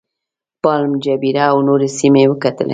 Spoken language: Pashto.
پالم جبیره او نورې سیمې وکتلې.